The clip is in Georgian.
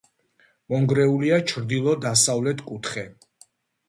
მონგრეულია ჩრდილო-დასავლეთ კუთხე.